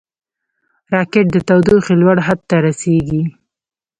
راکټ د تودوخې لوړ حد ته رسېږي